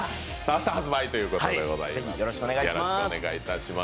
明日発売ということでございます。